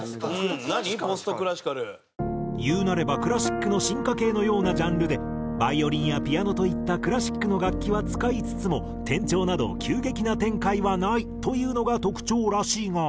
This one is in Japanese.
いうなればクラシックの進化系のようなジャンルでバイオリンやピアノといったクラシックの楽器は使いつつも転調など急激な展開はないというのが特徴らしいが。